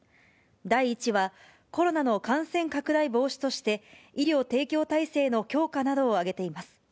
第１は、コロナの感染拡大防止として、医療提供体制の強化などを挙げています。